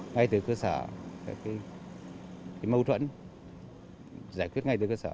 ngay từ cơ sở các mâu thuẫn giải quyết ngay từ cơ sở